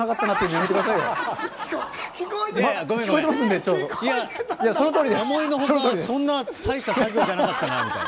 思いのほか、そんな大した作業じゃなかったなみたいな。